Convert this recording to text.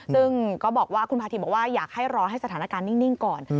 ซึ่งก็คุณผาถีบอกว่าอยากรอให้สถานการณ์นิ่งก่อน